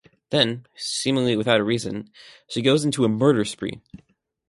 Then, seemingly without reason, she goes into a murder spree.